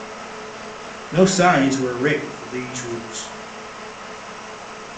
No signs were erected for these routes.